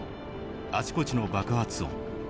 あちこちの爆発音。